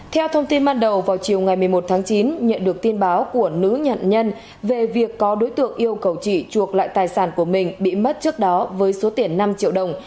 theo thông tin ban đầu vào chiều ngày một mươi một tháng chín nhận được tin báo của nữ nhận nhân về việc có đối tượng yêu cầu chị chuộc lại tài sản của mình bị mất trước đó với số tiền năm triệu đồng